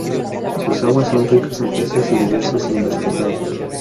Sus aguas son ricas en peces y diversos invertebrados.